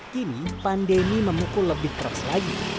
kini pandemi memukul lebih keras lagi